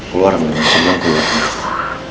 keluar mbak mirna